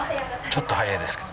ちょっと早いですね。